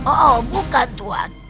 oh bukan tuan